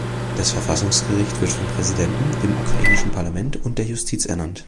Das Verfassungsgericht wird vom Präsidenten, dem ukrainischen Parlament und der Justiz ernannt.